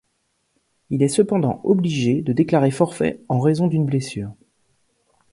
Il est cependant obligé de déclarer forfait en raison d'une blessure.